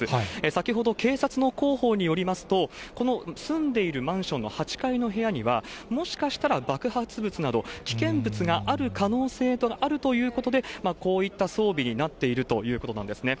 先ほど、警察の広報によりますと、この住んでいるマンションの８階の部屋には、もしかしたら爆発物など、危険物がある可能性があるということで、こういった装備になっているということなんですね。